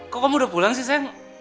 kok kamu udah pulang sih saya